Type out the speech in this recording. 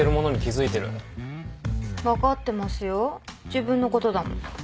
自分のことだもん。